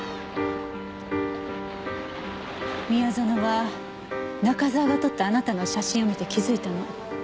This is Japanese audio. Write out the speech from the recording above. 宮園は中沢が撮ったあなたの写真を見て気付いたの。